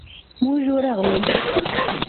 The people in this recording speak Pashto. موږ ورغلو.